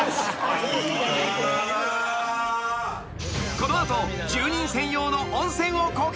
［この後住人専用の温泉を公開。